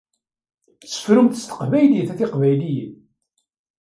Sefrumt s teqbaylit a tiqbayliyin!